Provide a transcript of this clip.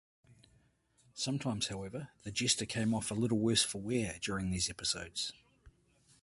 Sometimes however, the jester came off a little worse for wear during these episodes.